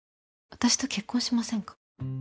私と結婚しませんか。